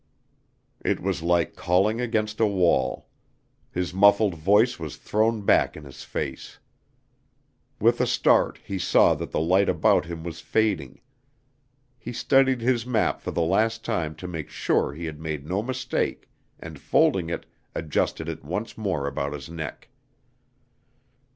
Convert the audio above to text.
It was like calling against a wall; his muffled voice was thrown back in his face. With a start he saw that the light about him was fading. He studied his map for the last time to make sure he had made no mistake, and, folding it, adjusted it once more about his neck.